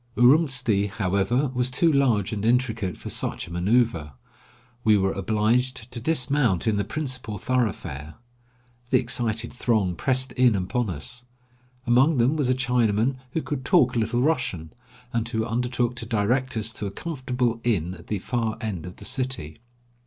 Urumtsi, however, was too large and intricate for such a manceuver. We were obliged to dismount in the principal thoroughfare. The excited throng pressed in upon us. Among them was a Chinaman who could talk a little Russian, and who undertook to direct us to a comfortable inn at the far end of the city.